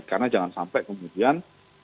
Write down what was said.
karena jangan sampai kemudian